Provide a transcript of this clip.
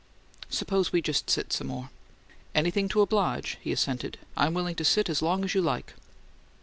"Suppose we just sit some more." "Anything to oblige," he assented. "I'm willing to sit as long as you like."